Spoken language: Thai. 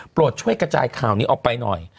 ช่วยกระจายข่าวนี้ออกไปหน่อย